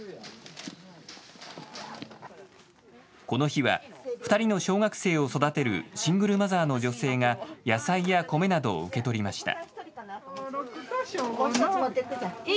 この日は２人の小学生を育てるシングルマザーの女性が野菜や米などを受け取りました。